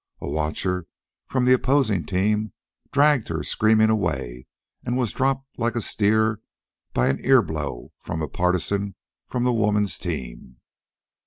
A watcher from the opposing team dragged her screaming away and was dropped like a steer by an ear blow from a partisan from the woman's team.